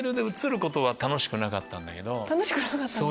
楽しくなかったんですか？